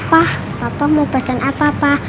pah papa mau pesen apa pa